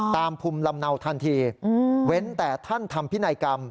ภูมิลำเนาทันทีเว้นแต่ท่านทำพินัยกรรม